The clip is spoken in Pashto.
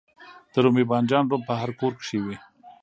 د رومي بانجان رب په هر کور کې وي.